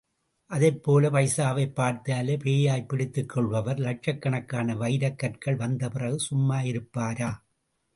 அதைப் போல, பைசாவைப் பார்த்தாலே பேயாய்ப்பிடித்துக் கொள்பவர், லட்சக் கணக்கான வைரக் கற்கள் வந்த பிறகு சும்மா இருப்பாரா?